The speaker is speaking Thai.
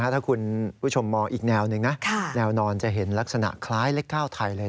ถ้าคุณผู้ชมมองอีกแนวหนึ่งนะแนวนอนจะเห็นลักษณะคล้ายเลข๙ไทยเลย